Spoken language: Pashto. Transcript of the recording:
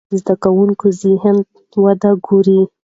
ښوونکي د زده کوونکو ذهني وده ګوري.